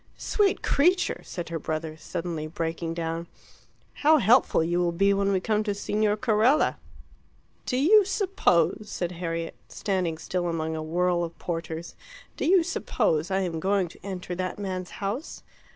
"Sweet creature!" said her brother, suddenly breaking down. "How helpful you will be when we come to Signor Carella!" "Do you suppose," said Harriet, standing still among a whirl of porters "do you suppose I am going to enter that man's house?"